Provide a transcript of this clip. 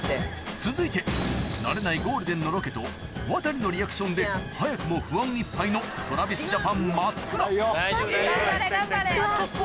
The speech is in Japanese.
続いて慣れないゴールデンのロケとワタリのリアクションで早くも不安いっぱいの辛いよ。